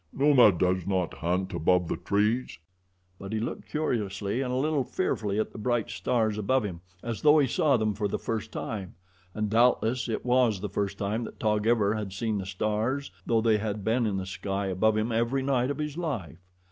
"Numa does not hunt above the trees." But he looked curiously and a little fearfully at the bright stars above him, as though he saw them for the first time, and doubtless it was the first time that Taug ever had seen the stars, though they had been in the sky above him every night of his life.